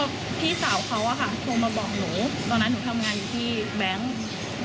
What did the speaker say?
ก็พี่สาวเขาอะค่ะโทรมาบอกหนูตอนนั้นหนูทำงานอยู่ที่แบงค์